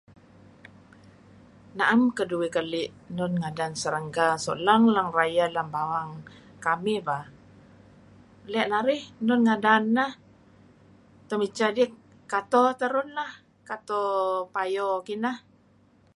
Na'em keduih keli enun ngadan serangga suk leng-leng rayeh lem bawang kamih bah. Le' narih enun ngadan neh, temicah dih kato terun lah, kato payo. Kineh.